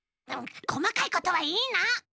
こまかいことはいいの！